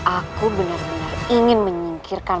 aku benar benar ingin menyingkirkan